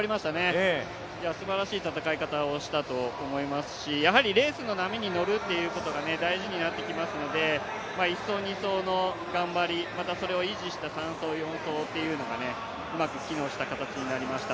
すばらしい戦い方をしたと思いますしレースの波に乗るということが大事になってきますので、１走、２走の頑張りまたそれを維持した３走、４走がうまく機能した形になりました。